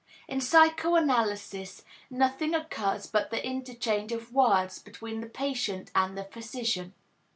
In psychoanalysis nothing occurs but the interchange of words between the patient and the physician.